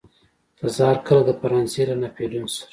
تزار کله د فرانسې له ناپلیون سره.